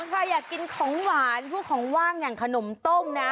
ใครอยากกินของหวานพวกของว่างอย่างขนมต้มนะ